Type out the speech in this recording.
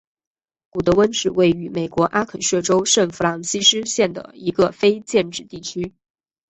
古得温是位于美国阿肯色州圣弗朗西斯县的一个非建制地区。